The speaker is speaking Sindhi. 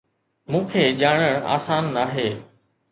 مون کي ڄاڻڻ آسان ناهي